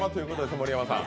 盛山さん。